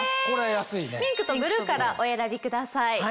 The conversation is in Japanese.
ピンクとブルーからお選びください。